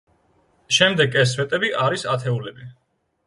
შემდეგ, ეს სვეტები არის ათეულები.